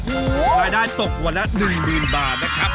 รายได้ตกวันละ๑หมื่นบาทนะครับ